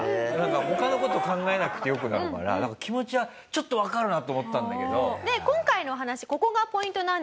他の事考えなくてよくなるから気持ちはちょっとわかるなって思ったんだけど。